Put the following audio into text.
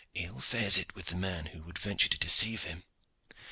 "Ill fares it with the man who would venture to deceive him.